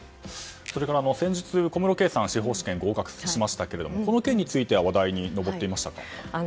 それから先日、小室圭さん司法試験合格しましたけれどもこの件については話題に上っていましたか？